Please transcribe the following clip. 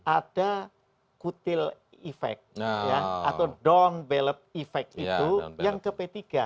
ada kutil efek atau down ballot efek itu yang ke p tiga